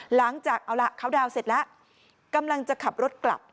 หลังจากเอาล่ะเขาดาวน์เสร็จแล้วกำลังจะขับรถกลับ